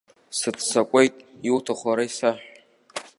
Сыццакуеит, иуҭаху ара исаҳә.